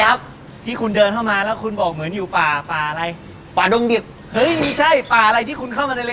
หยอดมะม่วงหิวงพา